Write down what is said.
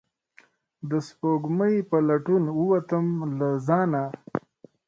د سپوږمۍ په لټون ووتم له ځانه